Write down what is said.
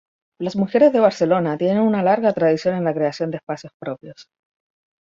Las mujeres de Barcelona tienen una larga tradición en la creación de espacios propios.